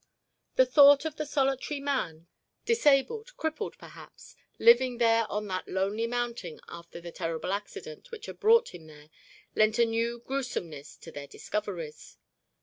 The thought of the solitary man, disabled crippled, perhaps, living there on that lonely mountain after the terrible accident which had brought him there lent a new gruesomeness to their discoveries.